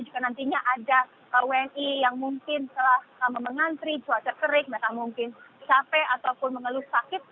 jika nantinya ada wni yang mungkin telah lama mengantri cuaca terik mereka mungkin capek ataupun mengeluh sakit